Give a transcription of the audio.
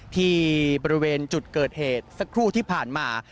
ที่บริเวณจุดเกิดเหตุสักครู่ที่ผ่านมา